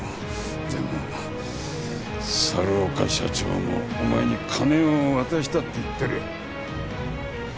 でも猿岡社長もお前に金を渡したって言ってる。